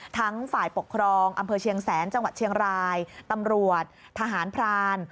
ฝ่ายปกครองอำเภอเชียงแสนจังหวัดเชียงรายตำรวจทหารพราน